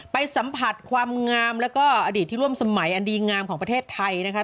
ไปสัมผัสความงามแล้วก็อดีตที่ร่วมสมัยอันดีงามของประเทศไทยนะคะ